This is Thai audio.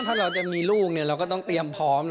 ถ้าเราจะมีลูกเราก็ต้องเตรียมพร้อม